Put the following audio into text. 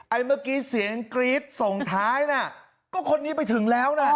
เมื่อกี้เสียงกรี๊ดส่งท้ายน่ะก็คนนี้ไปถึงแล้วนะ